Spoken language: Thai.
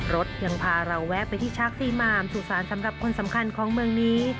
รถยังพาเราแวะไปที่ชักตีมามสู่สารสำหรับคนสำคัญของเมืองนี้